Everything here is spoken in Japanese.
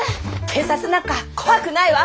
警察なんか怖くないわ！